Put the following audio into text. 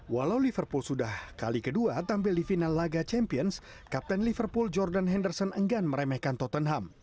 walau liverpool sudah kali kedua tampil di final laga champions kapten liverpool jordan henderson enggan meremehkan tottenham